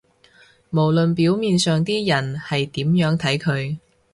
無論表面上啲人係點樣睇佢